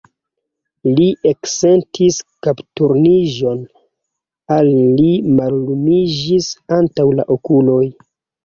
Li eksentis kapturniĝon, al li mallumiĝis antaŭ la okuloj.